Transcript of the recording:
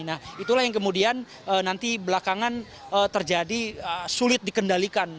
nah itulah yang kemudian nanti belakangan terjadi sulit dikendalikan